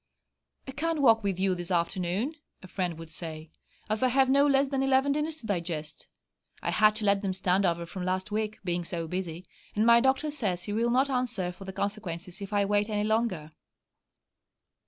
'I can't walk with you this afternoon,' a friend would say, 'as I have no less than eleven dinners to digest. I had to let them stand over from last week, being so busy, and my doctor says he will not answer for the consequences if I wait any longer!'